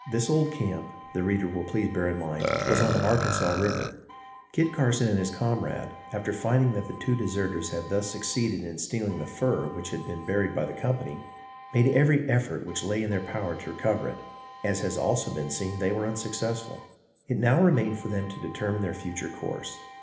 This old camp, the reader will please bear in mind, was on the Arkansas River. Kit Carson and his comrade, after finding that the two deserters had thus succeeded in stealing the fur which had been buried by the company, made every further effort which lay in their power to recover it. As has also been seen, they were unsuccessful. It now remained for them to determine their future course.